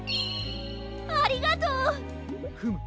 ありがとう。フム。